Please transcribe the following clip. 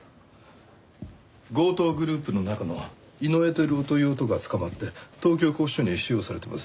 強盗グループの中の井上輝男という男が捕まって東京拘置所に収容されてます。